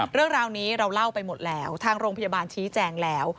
เรื่องราวนี้เราเล่าไปหมดแล้วทางโรงพยาบาลชี้แจงแล้ว